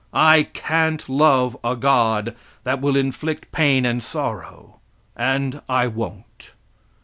I can't love a god that will inflict pain and sorrow, and I won't.